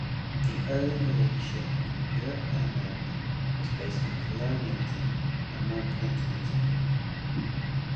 The early relationship between Europe and America was based on colonialism and merchantilism.